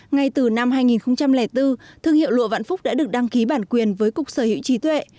ngay từ năm hai nghìn bốn thương hiệu lụa vạn phúc đã được đăng ký bản quyền với cục sở hữu trí tuệ